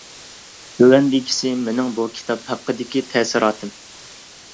تۆۋەندىكىسى مېنىڭ بۇ كىتاب ھەققىدىكى تەسىراتىم.